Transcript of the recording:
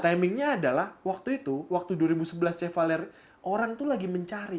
timingnya adalah waktu itu waktu dua ribu sebelas chevaler orang itu lagi mencari